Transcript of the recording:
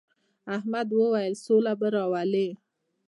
احمد وويل: سوله به راولې.